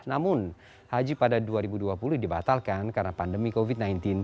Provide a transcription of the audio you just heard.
namun haji pada dua ribu dua puluh dibatalkan karena pandemi covid sembilan belas